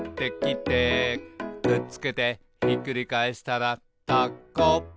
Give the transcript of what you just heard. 「くっつけてひっくり返したらタコ」